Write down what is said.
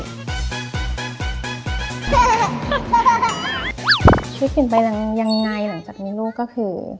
คิดกันไปยังไงหลังจากมีลูกก็คือ